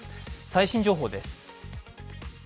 最新情報です。